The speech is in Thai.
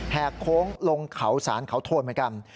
กโค้งลงเขาสารเขาโทนเหมือนกัน